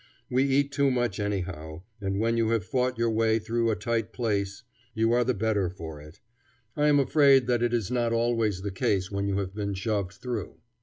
We eat too much anyhow, and when you have fought your way through a tight place, you are the better for it. I am afraid that is not always the case when you have been shoved through.